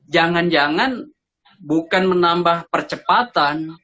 jangan jangan bukan menambah percepatan